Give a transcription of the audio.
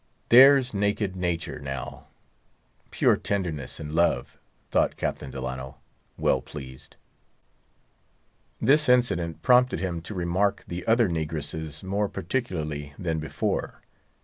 There's naked nature, now; pure tenderness and love, thought Captain Delano, well pleased. This incident prompted him to remark the other negresses more particularly than before.